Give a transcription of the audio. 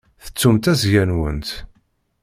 Tettumt asga-nwent.